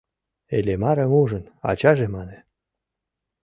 — Иллимарым ужын, ачаже мане.